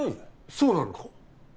そうなのか？